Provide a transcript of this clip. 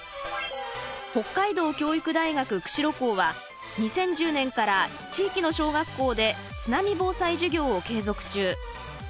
北海道教育大学釧路校は２０１０年から地域の小学校で津波防災授業を継続中。